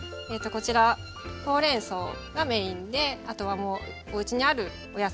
こちらほうれんそうがメインであとはもうおうちにあるお野菜。